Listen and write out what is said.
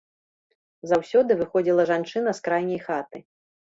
Заўсёды выходзіла жанчына з крайняй хаты.